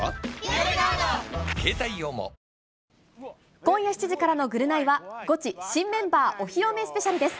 今夜７時からのぐるナイは、ゴチ新メンバーお披露目スペシャルです。